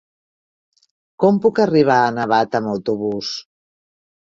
Com puc arribar a Navata amb autobús?